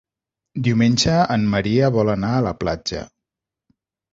Diumenge en Maria vol anar a la platja.